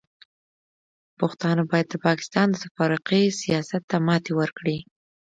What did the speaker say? پښتانه باید د پاکستان د تفرقې سیاست ته ماتې ورکړي.